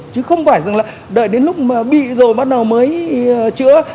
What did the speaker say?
chứ không phải rằng là đợi đến lúc mà bị rồi bắt đầu mới chữa